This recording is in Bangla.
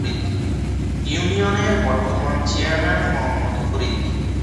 ইউনিয়নের বর্তমান চেয়ারম্যান মোহাম্মদ ফরিদ।